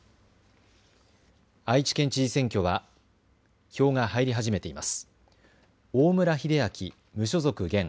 愛知県知事選挙は票が入り始めています。